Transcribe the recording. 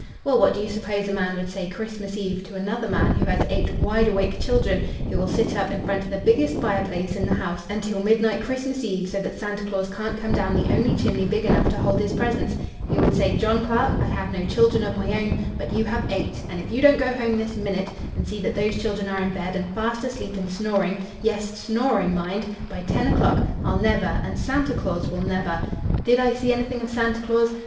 '—Well, what do you suppose a man would say Christmas Eve to another man who has eight wide awake children who will sit up in front of the biggest fire place in the house until midnight Christmas Eve so that Santa Claus can't come down the only chimney big enough to hold his presents? He would say, 'John Clark, I have no children of my own, but you have eight, and if you don't go home this minute and see that those children are in bed and fast asleep and snoring,—yes, snoring, mind,—by ten o'clock, I'll never, and Santa Claus will never—!' —"'Did I see anything of Santa Claus?'